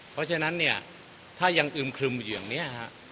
เพราะฉะนั้นเนี่ยถ้ายังอึมครึมอยู่อย่างนี้ฮะ